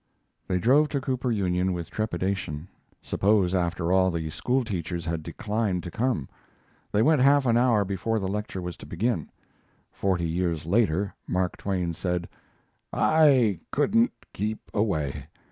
They drove to Cooper Union with trepidation. Suppose, after all, the school teachers had declined to come? They went half an hour before the lecture was to begin. Forty years later Mark Twain said: "I couldn't keep away.